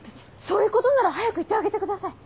そういうことなら早く行ってあげてください。